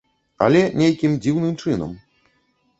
Але нейкім дзіўным чынам.